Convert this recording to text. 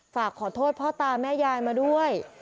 ฝากขอโทษพ่อตาแม่ยายมาด้วย